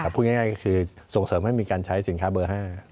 พูดง่ายก็คือส่งเสริมให้มีการใช้สินค้าเบอร์๕